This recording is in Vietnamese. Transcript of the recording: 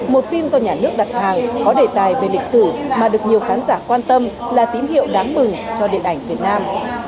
một phim do nhà nước đặt hàng có đề tài về lịch sử mà được nhiều khán giả quan tâm là tín hiệu đáng mừng cho điện ảnh việt nam